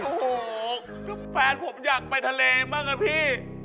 โอ้โหก็แฟนผมอยากไปทะเลบ้างอะพี่